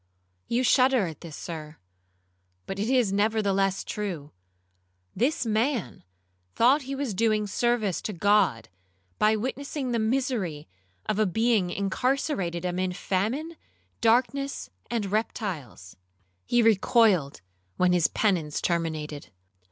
You shudder at this, Sir, but it is nevertheless true; this man thought he was doing service to God, by witnessing the misery of a being incarcerated amid famine, darkness, and reptiles. He recoiled when his penance terminated.